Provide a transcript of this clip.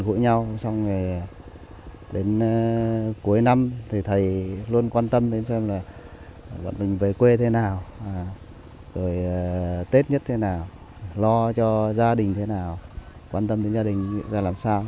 cuối năm thì thầy luôn quan tâm đến xem là bọn mình về quê thế nào rồi tết nhất thế nào lo cho gia đình thế nào quan tâm đến gia đình là làm sao